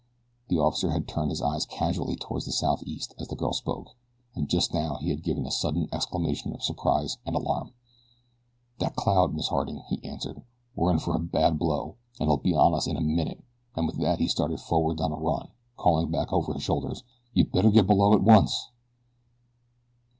The officer had turned his eyes casually toward the southeast as the girl spoke, and just now he had given a sudden exclamation of surprise and alarm. "That cloud, Miss Harding," he answered. "We're in for a bad blow, and it'll be on us in a minute," and with that he started forward on a run, calling back over his shoulder, "you'd better go below at once."